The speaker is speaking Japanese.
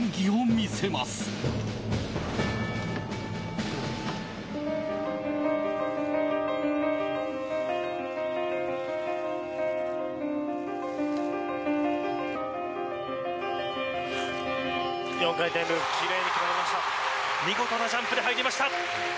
見事なジャンプで入りました。